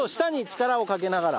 力をかけながら。